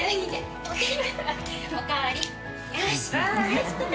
よし。